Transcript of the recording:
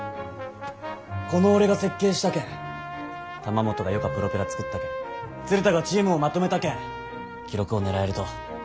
この俺が設計したけん玉本がよかプロペラ作ったけん鶴田がチームをまとめたけん記録を狙えると。